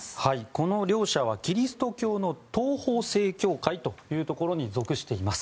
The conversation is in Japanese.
この両者はキリスト教の東方正教会というところに属しています。